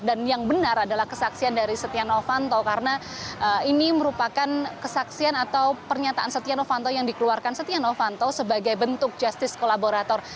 dan yang benar adalah kesaksian dari setia novanto karena ini merupakan kesaksian atau pernyataan setia novanto yang dikeluarkan setia novanto sebagai bentuk justice kolaborator